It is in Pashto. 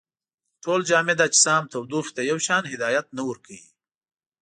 ټول جامد اجسام تودوخې ته یو شان هدایت نه ورکوي.